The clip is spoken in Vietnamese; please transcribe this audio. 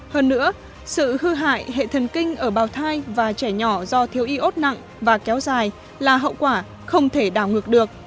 hơn nữa sự hư hại hệ thần kinh ở bào thai và trẻ nhỏ do thiếu iốt nặng và kéo dài là hậu quả không thể đảo ngược được